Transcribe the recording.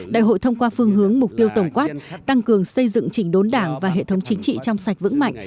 đại hội thông qua phương hướng mục tiêu tổng quát tăng cường xây dựng chỉnh đốn đảng và hệ thống chính trị trong sạch vững mạnh